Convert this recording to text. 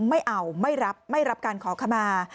ไม่เอาไม่รับการขอขบา